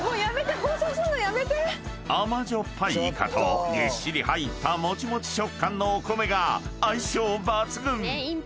［甘じょっぱいイカとぎっしり入ったもちもち食感のお米が相性抜群！］